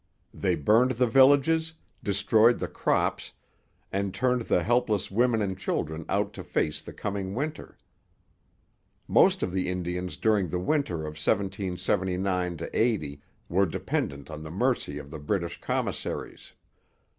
They burned the villages, destroyed the crops, and turned the helpless women and children out to face the coming winter. Most of the Indians during the winter of 1779 80 were dependent on the mercy of the British commissaries.